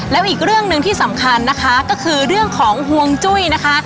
แล้วอีกเรื่องหนึ่งที่สำคัญนะคะก็คือเรื่องของห่วงจุ้ยนะคะ